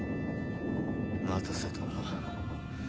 待たせたな。